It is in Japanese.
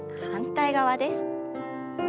反対側です。